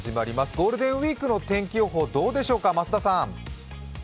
ゴールデンウイークの天気予報、どうでしょうか？